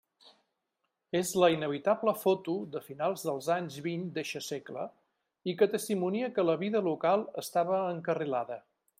És la inevitable foto de finals dels anys vint d'eixe segle i que testimonia que la vida local estava encarrilada.